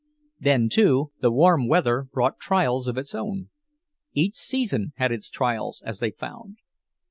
Then, too, the warm weather brought trials of its own; each season had its trials, as they found.